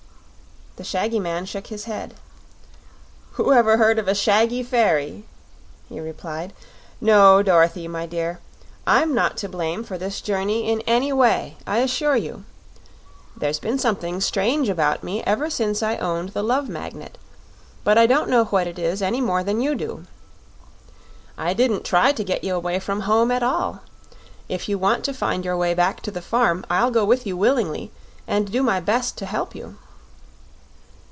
The shaggy man shook his head. "Who ever heard of a shaggy fairy?" he replied. "No, Dorothy, my dear; I'm not to blame for this journey in any way, I assure you. There's been something strange about me ever since I owned the Love Magnet; but I don't know what it is any more than you do. I didn't try to get you away from home, at all. If you want to find your way back to the farm I'll go with you willingly, and do my best to help you."